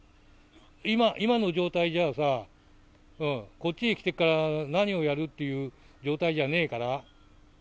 今の状態じゃあさ、こっちに来てから何をやるっていう状態じゃねぇから。